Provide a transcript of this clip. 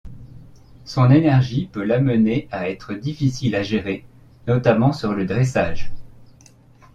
Son énergie peut l'amener à être difficile à gérer, notamment sur le dressage.